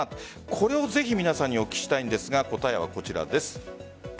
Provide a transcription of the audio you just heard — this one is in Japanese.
これをぜひ皆さんにお聞きしたいんですが答えはこちらです。